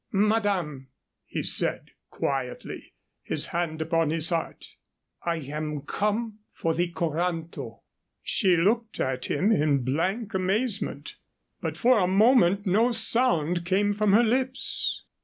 "Madame," he said, quietly, his hand upon his heart, "I am come for the coranto." She looked at him in blank amazement, but for a moment no sound came from her lips.